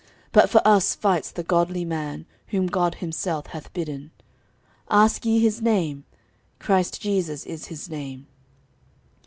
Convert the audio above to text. But for us fights the godly Man, Whom God Himself hath bidden. Ask ye His name? Christ Jesus is His name.